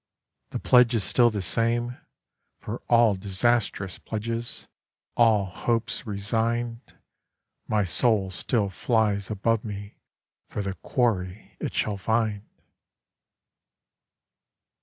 The pledge is still the same—for all disastrous pledges, All hopes resigned! My soul still flies above me for the quarry it shall find!